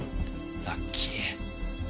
ラッキー。